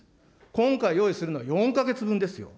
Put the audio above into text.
今回用意するのは４か月分ですよ。